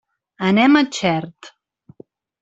Anem a Xert.